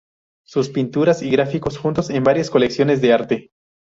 Sus pinturas y gráficos juntos en varias colecciones de arte.